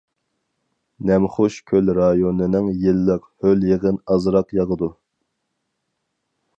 نەمخۇش كۆل رايونىنىڭ يىللىق ھۆل-يېغىن ئازراق ياغىدۇ.